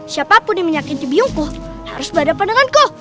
siapapun yang menyakiti biungku harus berada pada denganku